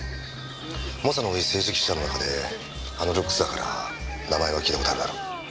猛者の多い政治記者の中であのルックスだから名前は聞いた事あるだろ。